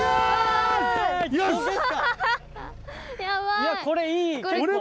いやこれいい結構。